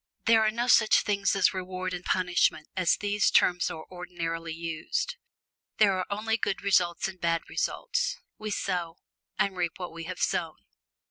There are no such things as reward and punishment, as these terms are ordinarily used: there are only good results and bad results. We sow, and reap what we have sown.